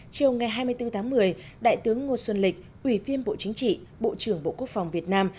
chiều ngày hai mươi bốn tháng một mươi đại tướng ngô xuân lịch ủy viên bộ chính trị bộ trưởng bộ quốc phòng việt nam